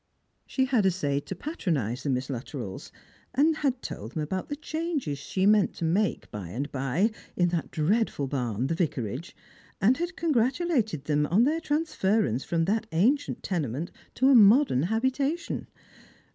She had essayed to patronise the Miss Luttrells, and had told them about the changes she meant to make by and by in that dreadful barn the Vicarage, and had congratulated them on their transference from that ancient tenement to a modern habitation.